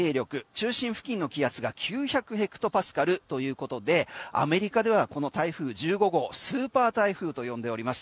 中心付近の気圧が９００ヘクトパスカルということでアメリカではこの台風１５号スーパー台風と呼んでおります。